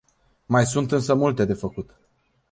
Mai sunt însă multe de făcut.